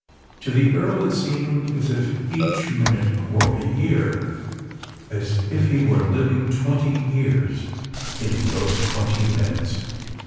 To the Earl it seemed as if each minute were a year—as if he were living twenty years in those twenty minutes!